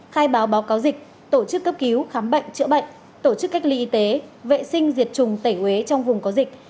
khai báo báo cáo dịch tổ chức cấp cứu khám bệnh chữa bệnh tổ chức cách ly y tế vệ sinh diệt trùng tẩy uế trong vùng có dịch